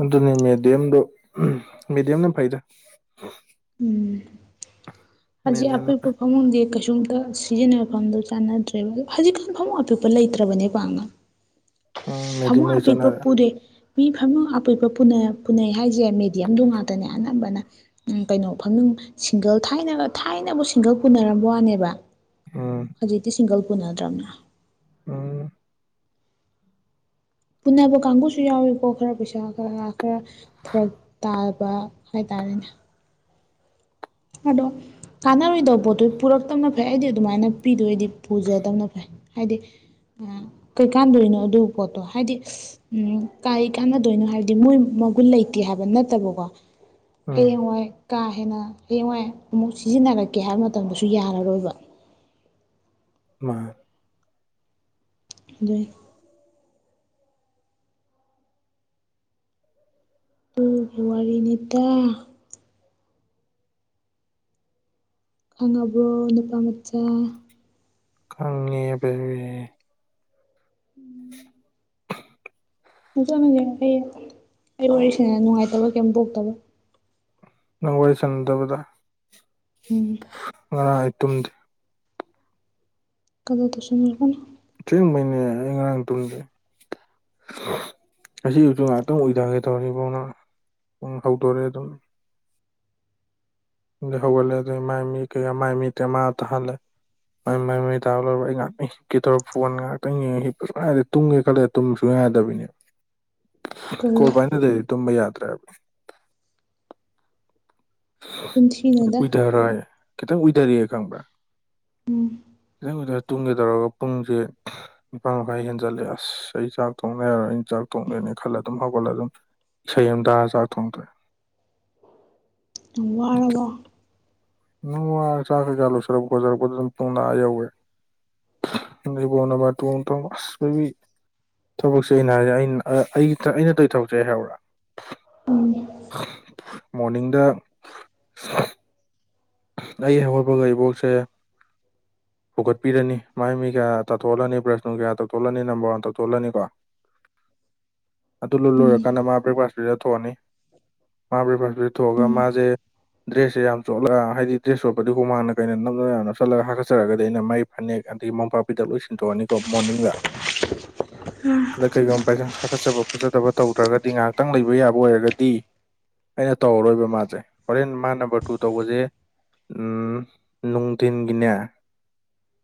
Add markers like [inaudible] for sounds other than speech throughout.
ꯑꯗꯨꯅꯤ ꯃꯦꯗꯤꯌꯝꯗꯣ ꯃꯦꯗꯤꯌꯝꯅ ꯐꯩꯗ ꯎꯝ ꯍꯧꯖꯤ ꯃꯦꯗꯤꯌꯝꯅ ꯑꯣꯏ ꯄ ꯐꯩ ꯐꯃꯗ ꯀꯩꯁꯨꯝꯇ ꯁꯤꯖꯤꯟꯅꯕꯐꯝꯗꯣ ꯆꯥꯟꯅꯗ꯭ꯔꯦꯕ ꯍꯧꯖꯤꯛꯀꯥꯟ ꯃꯃꯨꯡ ꯑꯄꯤꯛꯄ ꯂꯩꯇ꯭ꯔꯕꯅꯦꯕꯥꯅ ꯎꯝ ꯃꯦꯗꯤꯌꯝ ꯐꯃꯨꯡ ꯂꯣꯏ ꯑꯄꯤꯛꯄ ꯆꯠꯅꯔꯦ ꯄꯨꯗꯦ ꯃꯤ ꯐꯃꯨꯡ ꯑꯄꯤꯛꯄ ꯄꯨꯅꯩ ꯍꯥꯏꯁꯦ ꯃꯦꯗꯤꯌꯝꯗꯣ ꯉꯥꯛꯇꯅꯦ ꯑꯅꯝꯕꯅ ꯀꯩꯅꯣ ꯐꯃꯨꯡ ꯁꯤꯡꯒꯜ ꯊꯥꯏꯅ ꯊꯥꯏꯅꯕꯨ ꯁꯤꯡꯒꯜ ꯄꯨꯅꯔꯝꯕ ꯋꯥꯅꯦꯕ ꯎꯝ ꯍꯧꯖꯤꯛꯇꯤ ꯁꯤꯡꯒꯜ ꯄꯨꯅꯗ꯭ꯔꯝꯅ ꯑꯝ ꯄꯨꯅꯕ ꯀꯥꯡꯕꯨꯁꯨ ꯌꯥꯎꯋꯀꯣ ꯈꯔ ꯄꯩꯁꯥ ꯈꯔ ꯈꯔ ꯐꯔꯛ ꯇꯥꯕ ꯍꯥꯏꯇꯥꯔꯦ ꯑ ꯑꯗꯨꯅꯦ ꯑꯗꯣ ꯀꯥꯟꯅꯔꯣꯏꯗꯕ ꯄꯣꯠꯇꯨ ꯄꯨꯔꯛꯇꯕꯅ ꯐꯩ ꯑꯩꯗꯤ ꯑꯗꯨꯃꯥꯏꯅ ꯄꯤꯗꯣꯏꯗꯤ ꯄꯨꯖꯗꯕꯅ ꯐꯩ ꯍꯥꯏꯗꯤ ꯀꯩꯀꯥꯟꯗꯣꯏꯅꯣ ꯑꯗꯨ ꯄꯣꯠꯇꯣ ꯍꯥꯏꯗꯤ ꯎꯝ ꯀꯥꯏ ꯀꯥꯟꯅꯗꯣꯏꯅꯣ ꯍꯥꯏꯕꯗꯤ ꯃꯣꯏ ꯃꯒꯨꯟ ꯂꯩꯇꯦ ꯍꯥꯏꯕ ꯅꯠꯇꯕꯀꯣ ꯎꯝ ꯍꯌꯦꯡꯋꯥꯏ ꯀꯥ ꯍꯦꯟꯅ ꯍꯌꯦꯡꯋꯥꯏ ꯑꯃꯨꯛ ꯁꯤꯖꯤꯟꯅꯔꯛꯀꯦ ꯍꯥꯏꯕ ꯃꯇꯝꯗꯁꯨ ꯌꯥꯔꯔꯣꯏꯕ ꯃꯥ ꯂꯩꯣꯏ ꯇꯨ ꯐꯦꯋꯥꯔꯤꯅꯤꯇꯥ ꯈꯪꯉꯕꯣꯛ ꯅꯨꯄꯥ ꯃꯆꯥ ꯈꯉꯤ ꯄ [unintelligible] ꯅ ꯆꯠꯅꯁꯦ ꯑꯩ ꯑꯩ ꯋꯥꯔꯤꯁꯤꯅ ꯅꯨꯡꯉꯥꯏꯇꯕ ꯀꯔꯤꯝ ꯄꯣꯛꯇꯕ ꯅꯪ ꯋꯥꯔꯤ ꯁꯅꯗꯕꯗ ꯎꯝ ꯉꯔꯥꯡ ꯑꯩ ꯇꯨꯝꯗꯦ ꯀꯗꯣ ꯇꯁꯔꯕꯅ ꯆꯨꯝꯕꯅꯦ ꯑꯩ ꯉꯔꯥꯡ ꯇꯨꯡꯗꯦ ꯉ ꯌꯁꯨ ꯉꯥꯏꯍꯥꯛꯇꯪ ꯑꯣꯏꯏꯊꯒꯦ ꯇꯧꯔꯅꯤ ꯐꯧꯅ ꯄꯨꯡ ꯍꯧꯗꯣꯔꯦ ꯑꯗꯨꯝ ꯍꯣꯒꯦ ꯑꯗꯨ ꯃꯥꯏꯃꯤ ꯀꯩꯌꯥ ꯃꯥꯏꯃꯤ ꯇ ꯃꯥꯥ ꯇꯍꯦ ꯃ ꯃꯥꯏ ꯃꯩ ꯇꯥꯕ ꯂ ꯑꯩ ꯉꯍꯥꯛꯧꯔ ꯐꯣꯟ ꯉꯥꯛꯇꯪꯔꯗꯤ ꯇꯨꯝꯒꯦ ꯈꯜꯂꯦꯨꯝꯁꯨ ꯍꯗꯕꯅꯤ ꯀꯔꯤꯗ ꯀꯣꯕꯥꯅꯗꯤꯦ ꯇꯨꯝꯕ ꯌꯥꯗ꯭ꯔꯦ ꯍꯥꯏꯕꯅꯦ ꯆꯤꯟꯊꯤꯅꯨꯗ ꯎꯏꯗꯔꯥꯏ ꯀꯈꯤꯇꯪ ꯎꯏꯙꯔ ꯀꯪꯥ ꯏꯊꯪ ꯈꯨꯊ ꯇꯨꯡꯒꯦ ꯇꯧꯔꯒ ꯄꯨꯡꯁꯦ ꯅꯤꯄꯥꯜ ꯃꯈꯥꯏ ꯍꯦꯟꯖꯜꯂꯦ ꯑꯁ ꯑꯩ ꯆꯥꯛ ꯊꯣꯡꯅꯩꯔꯣꯏ ꯆꯥꯛ ꯊꯣꯡꯡꯂꯦꯅꯤ ꯈꯜꯂ ꯑꯗꯨꯝ ꯍꯧꯒꯠꯂ ꯑꯗꯨꯝ ꯏꯁꯩ ꯑꯃꯝꯗꯥ ꯆꯥꯛ ꯊꯣꯡꯗ꯭ꯔꯦ ꯋꯥꯔꯕꯣ ꯅ ꯆꯥꯀ ꯆꯂꯨ ꯁꯔꯒꯖꯔ ꯇꯨꯅ ꯌꯥꯎ ꯕꯅ ꯇ ꯇꯁ ꯊꯕꯛꯁꯦ ꯑꯩꯅ ꯍꯥꯏꯁꯦ ꯑꯩꯅ ꯑꯩꯅ ꯇꯧ ꯊꯕꯛꯁꯦ ꯍꯥꯏꯕ꯭ꯔꯥ ꯃꯣꯔꯅꯤꯡꯗ ꯑꯩ ꯍꯧꯒꯣꯏꯕ ꯂꯕꯣꯛꯁꯦ ꯍꯧꯒꯠꯄꯤꯔꯅꯤ ꯃꯥꯏ ꯃꯤ ꯀꯌꯥ ꯇꯥꯊꯣꯛꯍꯜꯂꯅꯤ ꯕ꯭ꯔꯁꯅꯅꯨꯡ ꯀꯌꯥ ꯇꯧꯊꯣꯛꯜꯂꯅꯤ ꯅꯝꯕꯔ ꯋꯥꯟ ꯇꯥꯊꯣꯛꯍꯜꯂꯅꯤꯀꯣ [unintelligible] ꯑꯗꯨ ꯂꯣꯏꯔꯀꯥꯟꯗ ꯎꯝ ꯃꯥ ꯕ꯭ꯔꯦꯛꯐꯥꯁꯇꯗ ꯊꯣꯛꯑꯅꯤ ꯃꯥ ꯕ꯭ꯔꯦꯛꯐꯥꯁꯇꯗ ꯊꯣꯛꯑꯒ ꯃꯥꯁꯦ ꯗ꯭ꯔꯦꯁꯁꯦ ꯌꯥꯝ ꯆꯣꯠꯂꯒ ꯍꯥꯏꯗꯤ ꯗ꯭ꯔꯦꯁ ꯁꯣꯠꯄ ꯑꯗꯨ ꯍꯣꯡꯃꯥꯡꯅ ꯀꯩꯅ ꯅꯞꯅ ꯅꯞ ꯆꯠꯂꯒ ꯍꯥꯀꯠꯆꯔꯒꯗꯤ ꯑꯩꯅ ꯃꯩ ꯐꯅꯦꯛ ꯑꯗꯒꯤ ꯃꯝꯄꯥꯛꯄꯤꯗ ꯂꯣꯏꯁꯤꯟꯣꯛꯑꯅꯤ ꯅꯤꯀꯣ ꯃꯣꯔꯅꯤꯡꯗ ꯎꯝ ꯑꯗ ꯀꯩꯒꯨꯝꯕ ꯄꯩꯁꯥ ꯁꯥꯒꯠꯆꯕ ꯈꯣꯠꯆꯗꯕ ꯇꯧꯗ꯭ꯔꯒꯗꯤ ꯉꯥꯏꯍꯥꯛꯇꯪ ꯂꯩꯕ ꯌꯥꯕ ꯑꯣꯏꯔꯒꯗꯤ ꯑꯩꯅ ꯇꯧꯔꯔꯣꯏꯕ ꯃꯥꯁꯦ ꯍꯣꯔꯦꯟ ꯃꯥ ꯅꯝꯕꯔ ꯇꯨ ꯇꯧꯕꯁꯦ ꯅꯨꯡꯇꯤꯟꯒꯤꯅꯦꯌꯥ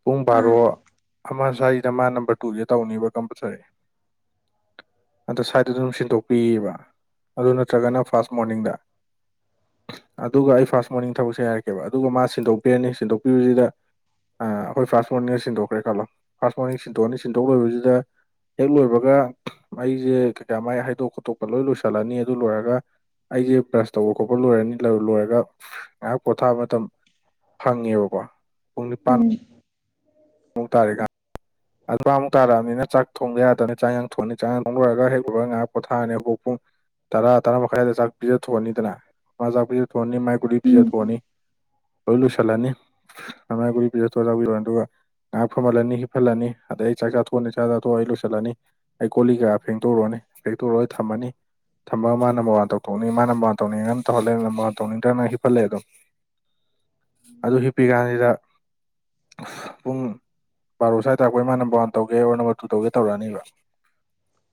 ꯄꯨꯡ ꯕꯥꯔꯣ ꯑꯃ ꯁ꯭ꯋꯥꯏꯗ ꯃꯥ ꯅꯝꯕꯔ ꯇꯨꯒꯤ ꯇꯧꯅꯤꯕ ꯀꯝꯄꯜꯁꯔꯤ ꯑꯗꯣ ꯁ꯭ꯋꯥꯏꯗ ꯑꯗꯨꯝ ꯁꯤꯟꯗꯣꯛꯄꯤꯌꯦꯕ ꯑꯗꯨ ꯅꯠꯇ꯭ꯔꯒꯅ ꯐꯥꯔꯁ ꯃꯣꯔꯅꯤꯡꯗ ꯑꯗꯨꯒ ꯑꯩ ꯐꯥꯔꯁ ꯃꯣꯔꯅꯤꯡ ꯊꯕꯛꯁꯦ ꯍꯥꯏꯔꯛꯀꯦꯕ ꯑꯗꯨꯒ ꯃꯥ ꯁꯤꯟꯗꯣꯛꯄꯤꯔꯅꯤ ꯁꯤꯟꯗꯣꯛꯄꯤꯕꯁꯤꯗ ꯑꯩꯈꯣꯏ ꯐꯥꯔꯥꯁꯁ ꯃꯣꯔꯅꯤꯡꯗ ꯁꯤꯟꯗꯣꯛꯈ꯭ꯔꯦ ꯈꯜꯂꯣ ꯐꯥꯔꯥꯁꯁ ꯃꯣꯔꯅꯤꯡ ꯁꯤꯟꯗꯣꯛꯑꯅꯤ ꯁꯤꯟꯗꯣꯛ ꯂꯣꯏꯕꯁꯤꯗ ꯍꯦꯛ ꯂꯣꯏꯕꯒ ꯑꯩꯁꯦ ꯀꯩꯀꯥ ꯃꯥꯏ ꯍꯥꯏꯗꯣꯛ ꯈꯣꯠꯇꯣꯛꯄ ꯂꯣꯏ ꯂꯣꯏꯁꯤꯜꯂꯅꯤ ꯑꯗꯨ ꯂꯣꯏꯔꯒ ꯑꯩꯁꯦ ꯄ꯭ꯔꯁ ꯇꯧꯕ ꯈꯣꯠꯄ ꯂꯣꯏꯔꯅꯤ ꯂꯣꯏꯔꯒ ꯉꯥꯏꯍꯥꯛ ꯄꯣꯊꯥꯕ ꯃꯇꯝ ꯐꯪꯉꯦꯕꯀꯣ ꯄꯨꯡ ꯅꯤꯄꯥꯟ ꯃ ꯇꯥꯔꯦꯒ ꯑꯗꯨꯄꯥ ꯑꯃꯨꯛ ꯇꯥꯔꯛꯑꯕꯅꯤꯅ ꯆꯥꯛ ꯊꯣꯡꯕ ꯌꯥꯗꯅ ꯆꯥꯛ ꯌꯦꯡ ꯊꯣꯡꯅꯤ ꯆꯥꯛ ꯊꯣꯡꯅꯔꯨꯔꯒ ꯍꯦꯛꯂꯨꯔꯒ ꯉꯥꯏꯍꯥꯛ ꯄꯣꯊꯥꯔꯅꯤ ꯍꯨꯛ ꯄꯨꯡ ꯇꯔꯥꯔꯥ ꯃꯈꯥꯏꯗ ꯆꯥꯛ ꯄꯤꯖ ꯊ ꯊꯣꯛꯑꯅꯤꯗꯅ ꯃꯖꯥꯛ ꯄꯤꯖ ꯊ ꯊꯣꯛꯑꯅꯤ ꯃꯥꯏ ꯨꯂꯤ ꯄꯤꯖ ꯊ ꯎꯝ ꯊꯣꯛꯑꯅꯤ ꯂꯣꯏ ꯂꯨꯁꯜꯂꯅꯤ ꯁꯃꯥꯏꯒꯨꯔꯤ ꯄꯖ ꯌꯥꯎꯤꯔꯣ ꯑꯗꯨꯒ ꯉꯥꯏꯍꯥꯛ ꯐꯝꯍꯜꯂꯅꯤ ꯍꯤꯞꯍꯜꯂꯅꯤ ꯑꯗꯩ ꯑꯩ ꯆꯥꯛ ꯆꯥꯊꯣꯛꯑꯅꯤ ꯆꯥꯛ ꯆꯥꯊꯣꯛ ꯑꯩ ꯂꯨꯁꯤꯜꯂꯅꯤ ꯑꯩ ꯀꯣꯂꯤ ꯀꯀ ꯐꯦꯡꯗꯣꯛꯎꯅꯤ ꯐꯦꯡꯇꯣꯛꯣꯔꯒ ꯑꯩ ꯊꯝꯃꯅꯤ ꯊꯝꯕ ꯃꯥꯅ ꯃ ꯇꯧꯊꯣꯛꯅꯤꯡ ꯃꯥꯅ ꯃ ꯇꯧꯅꯤꯡꯉꯅ ꯇꯧꯍꯜꯂꯦꯅ ꯇꯧꯅꯤꯡꯗ꯭ꯔ ꯅꯅ ꯍꯤꯞꯍꯜꯂꯦ ꯑꯗꯣ ꯑꯗꯨ ꯍꯤꯄꯤꯒꯅꯤꯗ ꯄꯨꯡ ꯕꯥꯔꯣ ꯁ꯭ꯋꯥꯏ ꯑꯗ ꯑꯩꯈꯣꯏ ꯃꯥ ꯅꯝꯕꯔ ꯋꯥꯟ ꯇꯧꯒꯦ ꯑꯣꯔ ꯅꯝꯕꯔ ꯇꯨ ꯇꯧꯒꯦ ꯇꯧꯔꯛꯑꯅꯤꯕ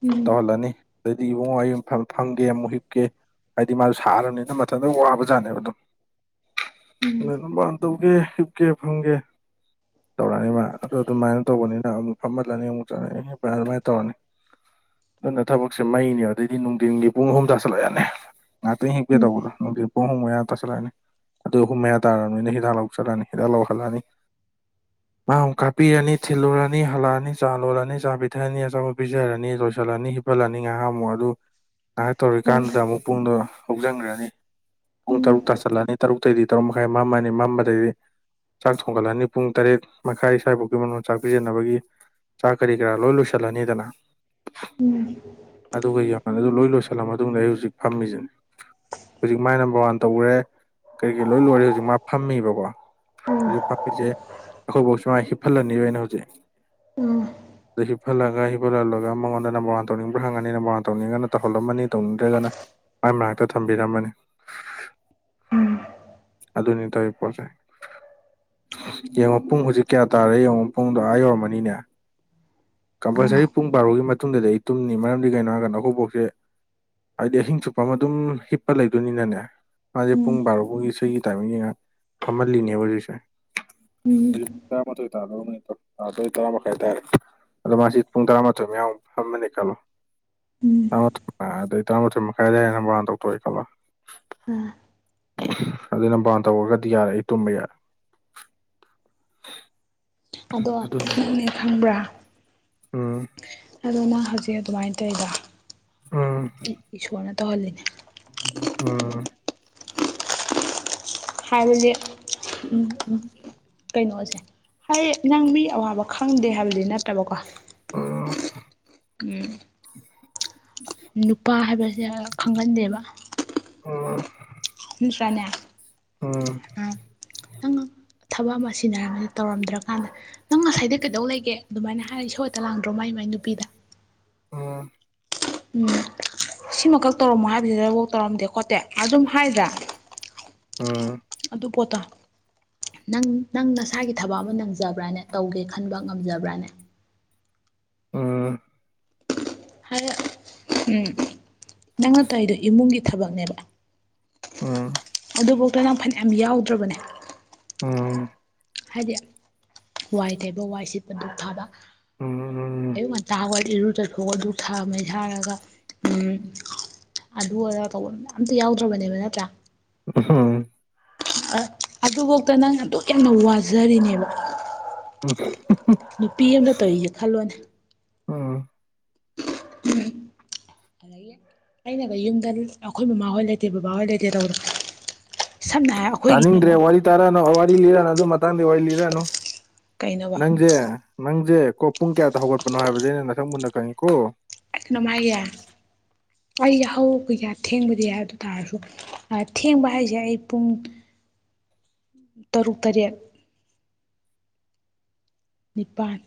ꯎꯝ ꯇꯧꯍꯜꯂꯅꯤ ꯑꯗꯗꯤ ꯏꯕꯨꯡꯉꯌ ꯃꯐ ꯐꯪꯒꯦ ꯑꯃꯨꯛ ꯍꯤꯞꯀꯦ ꯍꯥꯏꯗꯤ ꯃꯥꯁꯨ ꯁꯥꯔꯕꯅꯤꯅ ꯃꯊꯟꯇ ꯋꯥꯕꯖꯥꯠꯅꯦꯕ ꯑꯗꯨꯝ ꯎꯝ ꯇ ꯈꯪꯒꯦ ꯍꯤꯞꯀꯦ ꯐꯪꯒꯦ ꯇꯧꯔꯛꯑꯅꯤ ꯃꯥ ꯑꯗꯨꯗꯣ ꯑꯗꯨꯃꯥꯏꯅ ꯇꯧꯕꯅꯤꯅ ꯑꯃꯨꯛ ꯐꯝꯍꯠꯂꯅꯤ ꯑꯃꯨꯛ ꯆꯠꯂꯅꯤ ꯑꯗꯨꯃꯅ ꯇꯧꯔꯅꯤ ꯑꯗꯨꯅ ꯊꯕꯛꯁꯦ ꯃꯩꯅꯦ ꯑꯗꯩꯗꯤ ꯅꯨꯡꯊꯤꯟꯒꯤ ꯄꯨꯡ ꯑꯍꯨꯝ ꯇꯥꯥꯁꯜꯂꯛ ꯌꯥꯅꯤ ꯉꯥꯛꯇ ꯍꯦꯛꯀꯦ ꯇꯧꯕ꯭ꯔꯣꯅꯨꯡꯗꯤꯠ ꯄꯨꯡꯍꯣꯡ ꯃꯌꯥꯗ ꯇꯥꯁꯤꯜꯂꯛꯑꯅꯤ ꯑꯗꯨ ꯑꯍꯨꯝ ꯃꯌꯥ ꯇꯥꯔꯕꯔꯕꯅꯤꯣꯏꯅ ꯍꯤꯗꯥꯛ ꯂꯧ ꯆꯠꯂꯛꯑꯅꯤ ꯍꯤꯗꯥꯛ ꯂꯧꯍꯜꯂꯛꯑꯅꯤ ꯑ ꯀꯥꯄ ꯌꯥꯅꯤ ꯊꯤꯜꯂꯨꯔꯅꯤ ꯍꯜꯂꯛꯑꯅꯤ ꯆꯥ ꯂꯣꯜꯂꯅꯤ ꯆꯥ ꯄꯤꯊꯛꯑꯅꯤ ꯑꯆꯥꯧꯕꯠ ꯄꯤꯖꯔꯅꯤ ꯂꯣꯏꯁꯤꯜꯂꯅꯤ ꯍꯤꯄꯜꯂꯅꯤ ꯉꯥꯏꯍꯥꯃꯨꯛ ꯑꯗꯨ ꯑꯗꯨ ꯉꯥꯏꯍꯥꯛ ꯇꯧꯔꯤ ꯎꯝ ꯀꯥꯟꯗꯨꯗ ꯑꯃꯨꯛ ꯄꯨꯡꯗꯣ ꯍꯧꯖꯤꯟꯈ꯭ꯔꯅꯤ ꯄꯨꯡ ꯇꯔꯨꯛ ꯇꯥꯁꯤꯜꯂꯅꯤ ꯇꯔꯨꯛ ꯑꯇꯩꯗꯤ ꯇꯔꯨꯛ ꯃꯈꯥꯏ ꯃꯝꯃꯅꯤ ꯃꯝꯕꯗꯩꯗꯤ ꯆꯥꯛ ꯊꯣꯡꯒꯠꯂꯅꯤ ꯄꯨꯡ ꯇꯔꯦꯠ ꯃꯈꯥꯏ ꯁ꯭ꯋꯥꯏꯐꯥꯎꯒꯤ ꯃꯅꯨꯡꯗ ꯆꯥꯛ ꯄꯤꯖꯕꯒꯤ ꯆꯥꯛ ꯀꯔꯤ ꯀꯔꯥ ꯂꯣꯏ ꯂꯣꯏꯁꯤꯜꯂꯅꯤꯗꯅ ꯎꯝ ꯑꯗꯨꯒ ꯌꯦꯡꯉꯣ ꯑꯗꯨ ꯂꯣꯏ ꯂꯣꯏꯁꯤꯜꯂ ꯃꯇꯨꯡꯗ ꯑꯩ ꯍꯧꯖꯤꯛ ꯐꯝꯃꯤꯁꯤꯅꯤ ꯍꯧꯖꯤꯛ ꯃꯥꯥꯏ ꯅꯝꯕꯔ ꯋꯥꯟ ꯇꯧꯈ꯭ꯔꯦ ꯀꯔꯤ ꯀꯔꯤ ꯂꯣꯏ ꯂꯣꯏꯔꯦ ꯍꯧꯖꯤꯛ ꯃꯥ ꯐꯝꯃꯤꯕꯀꯣ ꯍꯧꯥꯃꯤꯁꯦ ꯑꯩꯈꯣꯏꯐꯧ ꯁꯨꯃꯥꯏ ꯍꯤꯞꯐꯜꯂꯅꯤꯕ ꯑꯅ ꯍꯧꯖꯤꯛ ꯑꯥ ꯑꯗ ꯍꯤꯞꯐꯜꯂꯒ ꯍꯞꯐꯠꯍꯜꯂ ꯃꯉꯣꯟꯗ ꯅꯝꯕꯔ ꯋꯥꯥꯟ ꯇꯧꯅꯤꯡꯕ꯭ꯔꯥ ꯍꯪꯉꯅꯤ ꯅꯝꯕꯔ ꯋꯥꯥꯟ ꯇꯧꯅꯤꯡꯉꯅ ꯇꯧꯍꯜꯂꯝꯃꯅꯤ ꯇꯧꯅꯤꯡꯗ꯭ꯔꯒꯅ ꯃꯥꯏ ꯃꯅꯥꯛꯇ ꯊꯝꯕꯤꯔꯝꯃꯅꯤ ꯍꯝ ꯑꯙꯅꯤ ꯇꯩ ꯄꯔꯦ ꯌꯦꯡꯉꯣ ꯄꯨꯡ ꯍꯧꯖꯤꯛ ꯀꯌꯥ ꯇꯥꯔꯦ ꯌꯦꯡꯉꯣ ꯄꯨꯡ ꯑ ꯌꯧꯔꯝꯃꯅꯤꯅꯦ ꯑꯥ ꯀꯝꯄꯜꯁꯔꯤ ꯄꯨꯡ ꯕꯥꯔꯣꯒꯤ ꯃꯇꯨꯡꯗꯗꯤ ꯑꯩ ꯇꯨꯝꯅꯤ ꯃꯔꯝꯗꯤ ꯀꯩꯅꯣ ꯍꯥꯏꯔꯀꯥꯟꯗ ꯑꯩꯈꯕꯣꯛꯁꯦ ꯍꯥꯏꯗꯤ ꯑꯍꯤꯡ ꯆꯨꯞꯄ ꯑꯃ ꯑꯗꯨꯝ ꯍꯤꯞꯄ ꯂꯩꯗꯣꯏꯅꯤꯅꯅꯦ ꯃꯥꯁꯦ ꯄꯨꯡ ꯕꯥꯔꯣ ꯐꯥꯎꯒꯤ ꯏꯁꯩꯒꯤ ꯇꯥꯏꯃꯤꯡꯁ ꯐꯝꯍꯜꯂꯤꯅꯦꯕ ꯍꯧꯖꯤꯛꯁꯦ ꯎꯝ ꯑꯗꯨ ꯀ ꯃꯊ ꯇ ꯑ ꯇꯔꯥ ꯃꯈꯥꯏ ꯍꯥꯏꯇꯥꯔꯦ ꯑꯗꯣ ꯃꯥꯁꯤ ꯄꯨꯡ ꯇꯔꯥꯃꯥꯊꯣꯏ ꯃꯌꯥꯝ ꯐꯝꯃꯅꯤ ꯈꯜꯂꯣ ꯎꯝ ꯇꯔꯥꯃꯥꯊꯣꯏ ꯑꯗꯩ ꯇꯔꯥꯃꯥꯊꯣꯏ ꯃꯈꯥꯏꯗꯩꯅ ꯃꯔꯥꯟ ꯇꯧꯊꯣꯛꯑꯦ ꯈꯜꯂꯣ ꯎ ꯑꯗꯨꯅ ꯕꯥꯟ ꯇꯧꯔꯒꯗꯤ ꯌꯥꯔꯦ ꯑꯩ ꯇꯨꯝꯕ ꯌꯥꯔꯦ [unintelligible] ꯑꯗꯣ ꯑꯗꯨꯅꯤ ꯅꯪꯅꯦ ꯈꯪꯕ꯭ꯔꯥ ꯎꯝ ꯑꯗꯨ ꯅꯪ ꯍꯧꯖꯤꯛ ꯑꯗꯨꯃꯥꯏꯅ ꯇꯧꯗ ꯎꯝ ꯏꯁꯣꯔꯅ ꯇꯧꯍꯜꯂꯤꯅꯦ ꯎꯝ ꯍꯥꯏꯕꯁ ꯎꯝ ꯎꯝ ꯀꯩꯅꯣꯁꯦ ꯍꯥꯏ ꯅꯪ ꯃꯤ ꯑꯋꯥꯕ ꯈꯪꯗꯦ ꯍꯥꯏꯕꯗꯤ ꯅꯠꯇꯕꯀꯣ ꯎꯝ ꯎꯝ ꯅꯨꯄꯥ ꯍꯥꯏꯕꯁꯦ ꯈꯪꯍꯟꯗꯦꯕ ꯎꯝ ꯎꯝ ꯎꯝ ꯎꯝ ꯎꯝ ꯎꯝ ꯣ ꯊꯕꯛ ꯑꯃ ꯁꯤꯟꯅꯔꯝꯅꯤ ꯇꯧꯔꯝꯗ꯭ꯔꯀꯥꯟꯗ ꯅꯪ ꯉꯁꯥꯏꯗ ꯀꯩꯗꯧ ꯂꯩꯒꯦ ꯑꯗꯨꯃꯥꯏꯅ ꯍꯥꯏꯔꯒ ꯏꯁꯣꯔꯠꯇ ꯂꯥꯡꯗ꯭ꯔꯣ ꯃꯥꯏ ꯃꯥꯏ ꯅꯨꯄꯤꯗ ꯑ ꯎꯝ ꯁꯤꯃꯈꯛ ꯇꯧꯔꯝꯃꯣ ꯍꯥꯏꯕꯁꯤꯗꯐꯥꯎ ꯇꯧꯔꯝꯗꯦ ꯈꯣꯠꯇꯦ ꯑꯗꯨꯝ ꯍꯥꯏꯗ꯭ꯔꯥ ꯑꯗꯨ ꯄꯣꯠꯇ [unintelligible] ꯅꯪ ꯅꯪ ꯅꯁꯥꯒꯤ ꯊꯕꯛ ꯑꯃ ꯅꯪꯖꯕ꯭ꯔꯥꯅꯦ ꯇꯧꯒꯦ ꯈꯟꯕ ꯉꯝꯖꯕ꯭ꯔꯥꯅꯦ ꯍꯥꯏ ꯎꯝ ꯅꯪ ꯑꯇꯥꯏꯗꯣ ꯏꯃꯨꯡꯒꯤ ꯊꯕꯛꯅꯦꯕ ꯑꯝ ꯑꯗꯨꯐꯥꯎꯗꯣ ꯅꯪ ꯐꯅ ꯌꯥꯝ ꯌꯥꯎꯗ꯭ꯔꯕꯅꯦ ꯑ ꯍꯥꯏꯗꯤ ꯋꯥꯏ ꯊꯩꯕ ꯋꯥꯏꯁꯤ ꯄꯟꯗꯨ ꯊꯥꯕ ꯎꯝ ꯎꯝ ꯑꯌꯨꯛ ꯉꯟꯇꯥ ꯍꯧꯒꯠ ꯏꯔꯨ ꯆꯠꯐꯣꯛ ꯑꯗꯨ ꯊꯥꯃꯦꯩ ꯍꯥꯏꯔꯒ ꯎꯝ ꯑꯗꯨ ꯑꯗꯥ ꯇꯧꯕ ꯑꯝꯇ ꯌꯥꯎꯗ꯭ꯔꯕꯅꯦꯕ ꯅꯠꯇ꯭ꯔꯥ ꯎꯝ ꯑꯗꯨꯐꯧꯗ ꯅꯪ ꯑꯗꯨꯛ ꯌꯥꯝꯅ ꯋꯥꯖꯔꯤꯅꯦꯕ ꯎꯝ ꯅꯨꯄꯤ ꯑꯃꯗ ꯇꯧꯔꯤꯁꯦ ꯈꯜꯂꯣꯅꯦ ꯎꯝ ꯑꯗꯒꯤ ꯑꯩꯅꯒ ꯌꯨꯝꯗ ꯑꯩꯈꯣꯏ ꯃꯃꯥꯍꯣꯏ ꯂꯩꯇꯦ ꯕꯕꯥꯍꯣꯏ ꯂꯩꯇꯦ ꯇꯧꯕꯗ ꯇꯅꯤꯡꯗ꯭ꯔꯦ ꯋꯥꯔꯤ ꯇꯔ ꯋꯥꯔꯤ ꯂꯤꯔ ꯅ ꯑꯗꯨ ꯃꯇꯥꯡꯗꯤ ꯑꯣꯏꯏ ꯂꯤꯔꯅꯨ ꯀꯩꯅꯣꯕ ꯅꯪꯁꯦ ꯅꯪꯁꯦ ꯀꯣ ꯄꯨꯡ ꯀꯌꯥꯗ ꯍꯧꯒꯠꯄꯅꯣ ꯍꯥꯏꯕꯁꯦ ꯑꯩꯅ ꯅꯊꯪ ꯃꯨꯟꯅ ꯈꯪꯉꯤꯀꯣ ꯑꯦꯅꯃꯥꯏꯦ ꯑꯩ ꯌꯥꯍꯧ ꯀꯩ ꯀꯥ ꯊꯦꯡꯕꯗꯤ ꯍꯥꯏ ꯑꯗꯨ ꯇꯥꯔꯁꯨ ꯊꯦꯡꯕ ꯍꯥꯏꯁꯦ ꯑꯩ ꯄꯨꯡ [unintelligible] ꯇꯔꯨꯛ ꯇꯔꯦꯠ ꯅꯤꯄꯥꯥꯟ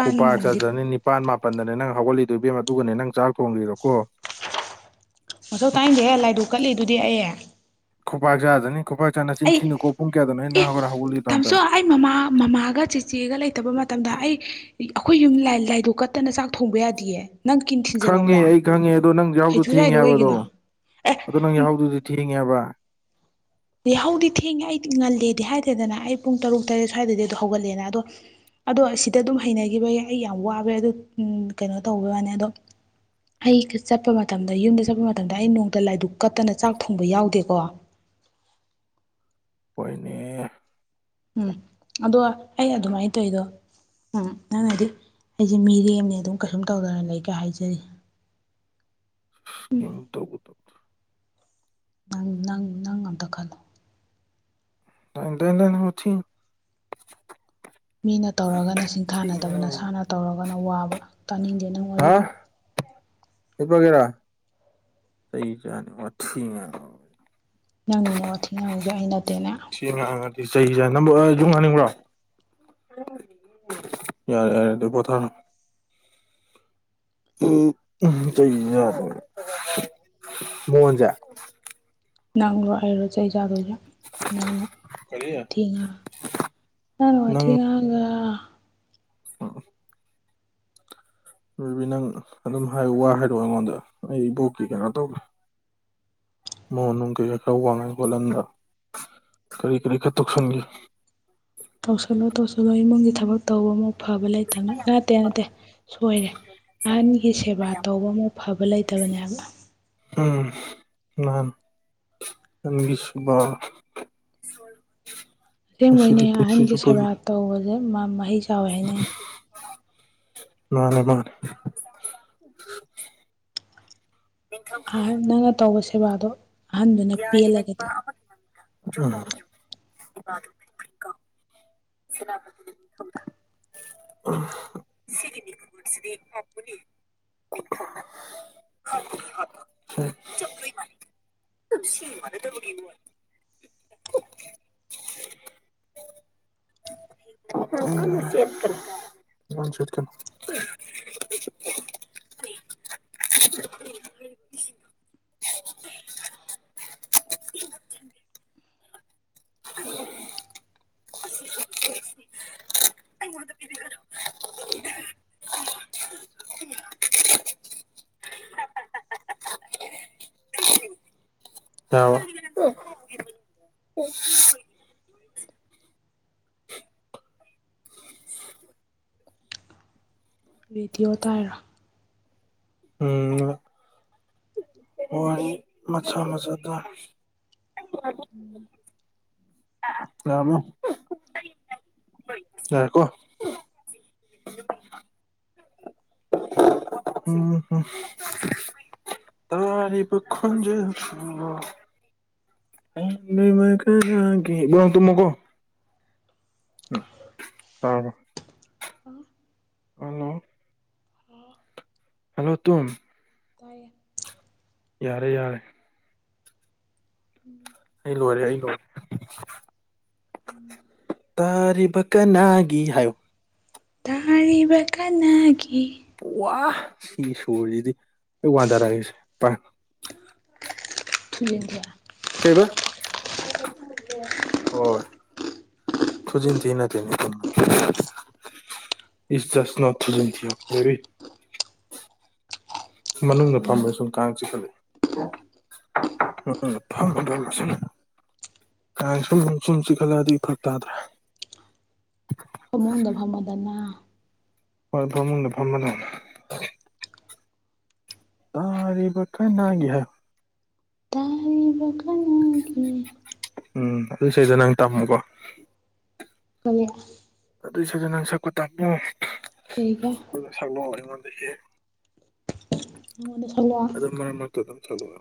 ꯈꯨꯄꯥꯛ ꯆꯥꯖꯅꯤ ꯅꯤꯄꯟ ꯃꯥ ꯃꯥꯄꯟꯗꯅꯦ ꯅꯪ ꯍꯧꯒꯠꯂꯤꯗꯣ ꯏꯕꯦꯝꯃꯥ ꯑꯗꯨꯒꯅꯦ ꯅꯪ ꯆꯥꯛ ꯊꯣꯡꯒꯔ꯭ꯤꯗꯣ ꯀꯣ ꯃꯊꯧ ꯇꯥꯏꯅꯤꯡꯗꯦꯍꯦ ꯂꯥꯏ ꯗꯨꯛ ꯀꯠꯂꯤꯗꯨꯗꯤ ꯑꯩ ꯈꯨꯄꯛ ꯆꯖꯅꯤ ꯑꯩ ꯑꯦ ꯍꯧꯒꯠꯂꯤꯗꯣ ꯑꯝꯇ ꯇꯝꯆꯧ ꯑꯩ ꯃꯃꯥ ꯃꯃꯥꯒ ꯆꯤꯆꯦꯒ ꯂꯩꯇꯕ ꯃꯥ ꯃꯇꯝꯗ ꯑꯩ ꯑꯩꯈꯣꯏ ꯌꯨꯝ ꯂꯥꯏꯗꯨꯛ ꯀꯠꯇꯅ ꯆꯥꯛ ꯊꯣꯡꯕ ꯌꯥꯗꯤꯌꯦ ꯅꯪ ꯀꯤꯟ ꯈꯪꯉꯦ ꯊꯤꯟꯖꯜꯍꯧꯔꯥ ꯑꯩ ꯈꯪꯉꯦ ꯑꯗꯣ ꯅꯪ ꯌꯥꯍꯥꯎꯗꯣ ꯍꯩꯊꯨ ꯊꯦꯡꯉꯦ ꯁꯥꯏꯗꯣ ꯍꯥꯏꯕ ꯑꯗꯣ ꯀꯩꯒꯤꯅꯣ ꯑꯗꯣ ꯅꯪ ꯌꯥꯍꯧꯗꯨꯗꯤ ꯊꯦꯡꯒꯦ ꯍꯥꯏꯕꯥ ꯑꯦ ꯍꯧꯗꯤ ꯊꯦꯡꯉꯦ ꯑꯩ ꯉꯜꯂꯦꯗꯤ ꯍꯥꯏꯗꯦꯗꯅ ꯑꯩ ꯄꯨꯡ ꯇꯔꯨꯛ ꯇꯔꯦꯠ ꯁ꯭ꯋꯥꯏꯗꯗꯤ ꯑꯗꯨꯝ ꯍꯧꯒꯠꯂꯦꯅ ꯑꯗꯣ ꯑꯗꯣ ꯁꯤꯗ ꯑꯗꯨꯝ ꯍꯩꯅꯈꯤꯕꯩ ꯑꯩ ꯌꯥꯝ ꯋꯥꯕꯅꯤ ꯑ ꯀꯩꯅꯣ ꯇꯧꯕ ꯋꯥꯅꯤ ꯑꯗꯣ ꯑꯩ ꯆꯠꯄ ꯃꯇꯝꯗ ꯌꯨꯝꯗ ꯆꯠꯄ ꯃꯇꯝꯗ ꯑꯩ ꯅꯣꯡꯇ ꯂꯥꯏꯗꯨꯛ ꯀꯠꯇꯅ ꯆꯥꯛ ꯊꯣꯡꯕ ꯌꯥꯎꯗꯦꯀꯣ [unintelligible] ꯍꯣꯏꯅꯦ ꯎꯝ ꯑꯗꯣ ꯑꯩ ꯑꯗꯨꯃꯥꯏꯅ ꯇꯧꯔꯤꯗꯣ ꯎꯝ ꯅꯪꯅꯗꯤ ꯑꯩꯁꯦ ꯃꯤꯔꯦꯝꯅꯦ ꯑꯗꯨꯝ ꯀꯩꯁꯨꯝ ꯇꯧꯗꯅ ꯂꯩꯒꯥ ꯍꯥꯏꯖꯔꯤ ꯀꯦꯝ ꯇꯧꯕꯨ ꯇꯧꯕꯔꯣ ꯅꯪ ꯅꯪ ꯅꯪ ꯑꯃꯇꯥ ꯈꯜꯂꯣ ꯇꯥꯏꯗꯦ ꯇꯥꯏꯗꯦ ꯋꯥꯊꯤꯅꯦ ꯃꯤꯅ ꯇꯧꯔꯒꯅ ꯁꯤꯡꯊꯥꯅꯗꯕ ꯅꯁꯥꯅ ꯇꯧꯔꯒꯅ ꯋꯥꯕ ꯇꯥꯅꯤꯡꯗꯦ ꯅꯪ ꯋꯥꯔꯤ ꯍꯥ ꯍꯤꯞꯄꯒꯦꯔꯥ ꯆꯩ ꯆꯥꯅꯤ ꯋꯥꯊꯤ ꯉꯥꯡꯕꯥ ꯅꯪꯅꯤꯅꯦ ꯋꯥꯊꯤ ꯉꯥꯡꯉꯤꯁꯦ ꯑꯩ ꯅꯠꯇꯦꯅꯦ ꯊꯤ ꯉꯥꯡꯉꯗꯤ ꯆꯩ ꯆꯥꯅꯤ ꯅꯪꯕꯨ ꯌꯨꯡ ꯍꯟꯅꯤꯡꯕꯔꯣ ꯌꯥꯔꯦ ꯌꯥꯔꯦ ꯑꯗꯨ ꯄꯣꯊꯥꯔꯣ꯫ ꯎꯝ ꯆꯩ ꯆꯥꯗꯣꯏꯅꯦ ꯃꯣꯟꯁꯦ ꯅꯪꯔꯣ ꯑꯩꯔꯣ ꯆꯩ ꯆꯥꯗꯣꯏꯖ ꯅꯪꯅ ꯀꯔꯤ ꯋꯥꯊꯤ ꯉꯪꯒꯥꯒꯥ ꯑ ꯔꯕꯤ ꯅꯪ ꯑꯗꯨꯝ ꯍꯥꯏ ꯋꯥ ꯍꯥꯏꯇꯥꯛꯑꯣ ꯑꯩꯉꯣꯟꯗ ꯑꯩ ꯏꯕꯣꯛꯀꯤ ꯀꯩꯅꯣ ꯇꯧꯒꯦ ꯃꯣꯍꯅꯣꯡꯒꯤ ꯆ ꯋꯥꯉꯥꯡ ꯒꯣꯂꯟꯗ ꯀꯔꯤ ꯀꯔꯤ ꯈꯔꯥ ꯇꯧꯁꯤꯟ ꯒꯦ ꯇꯧꯁꯜꯂꯣ ꯇꯧꯁꯤꯜꯂꯣ ꯏꯃꯨꯡꯒꯤ ꯊꯕꯛ ꯇꯧꯕ ꯃꯨꯛ ꯐꯕ ꯂꯩꯇꯕꯅꯦ ꯅꯠꯇꯦ ꯅꯠꯇꯦ ꯁꯣꯏꯔꯦ ꯑꯍꯟꯒꯤ ꯁꯦꯕꯥ ꯇꯧꯕ ꯃꯨꯛ ꯐꯕ ꯂꯩꯇꯕꯅꯦꯕ ꯎꯝ ꯅꯥꯟ ꯅꯟꯕꯤꯁꯕ ꯑꯁꯦꯡꯕꯩ ꯅꯦ ꯄꯨꯟꯁꯤ ꯑꯍꯟꯒꯤ ꯆꯨꯞꯄꯒꯤ ꯁꯦꯕꯥ ꯇꯧꯕꯁꯦ ꯃꯍꯩ ꯆꯥꯎꯋꯦ ꯍꯥꯏꯅꯩꯩꯅ ꯃꯥꯅꯦ ꯃꯥꯅꯦ ꯑꯍꯟ ꯅꯪꯅ ꯇꯧꯕ ꯁꯦꯕꯥꯗꯣ ꯑꯍꯟꯗꯨꯅ ꯄꯦꯜꯂꯒꯗꯤ [unintelligible] ꯁꯤꯒꯤꯁꯤꯗꯤꯄꯅꯤ ꯊ ꯆ [unintelligible] [unintelligible] ꯆꯠ [unintelligible] [unintelligible] [unintelligible] ꯑꯩ ꯃꯗ ꯄꯗꯒꯔ [unintelligible] [unintelligible] ꯑ ꯔꯦꯗꯤꯑꯣ ꯇꯔ ꯎꯝ ꯍ ꯃꯆꯥꯥ ꯃꯆꯥꯆꯥꯗ ꯔꯃꯣ ꯌꯥ ꯀꯣ [unintelligible] ꯎꯝ ꯍꯝ ꯇ ꯏꯄ ꯃ ꯀ ꯇꯃꯒꯣ ꯎꯝ ꯇꯔꯕ ꯍꯂꯣ ꯍꯜꯂꯣ ꯇꯨꯡꯨꯝ ꯇꯦ ꯌꯥꯔꯦ ꯌꯥꯔꯦ ꯎꯝ ꯑꯩ ꯂꯣꯏꯔꯦ ꯑꯩ ꯂꯣꯏꯔꯦ ꯎꯝ ꯇꯥꯔꯤꯕ ꯀꯅꯥꯒꯤ ꯍꯥꯏꯌꯨ ꯇꯥꯔꯔꯤꯕ ꯀꯥꯟꯅꯥꯒꯤ ꯋꯥ ꯁꯤ ꯁꯨꯔꯁꯤꯗꯤ ꯑꯩ ꯋꯥꯟꯗꯔꯒꯁꯦ ꯊꯂꯕꯤꯦ ꯀꯩꯕ ꯈꯣꯖꯤꯟꯊꯦ ꯅꯠꯇꯤ ꯅꯤꯡ ꯄꯨ ꯏꯁ ꯁꯅ ꯊꯖꯤꯟꯊꯣ ꯐꯦꯕꯤ ꯃꯅꯨꯡꯗ ꯐꯝꯕ ꯁ ꯀꯥꯡ ꯆ ꯐꯜꯂꯤ ꯎꯝ ꯐꯪꯉ ꯐ ꯁꯤ ꯀꯥꯏ ꯁꯨꯝ ꯁꯨꯝ ꯁꯨꯝꯁꯤ ꯈꯠꯂꯑꯗꯤ ꯐꯛ ꯇꯥꯗ꯭ꯔꯦ ꯐꯃꯨꯡꯗ ꯐꯝꯃꯗꯅ ꯍꯣꯏ ꯭ꯔꯝꯃꯂ ꯐ꯭ꯔꯝꯃ ꯂ ꯇꯥꯔꯤꯕ ꯀꯥꯏꯅꯒꯦ ꯇꯥꯔꯤꯕ ꯀꯅꯥꯒꯤ ꯎꯝ ꯑꯗꯨ ꯁꯗ ꯅꯪ ꯇꯝꯃꯨꯀꯣ ꯀꯉ ꯑꯗꯨꯏꯁꯨꯗ ꯅꯪ ꯁꯛꯄꯨ ꯇꯥꯕꯤꯌꯣ ꯀꯩꯒꯤ ꯑꯗꯨꯅ ꯁꯛꯂꯣꯑꯣ ꯑꯩꯉꯣꯟꯗꯒꯤ ꯅꯟꯅ ꯁꯜꯣ ꯃꯔꯛꯇ ꯑꯗꯨꯝ ꯁꯛꯂꯛꯑꯣ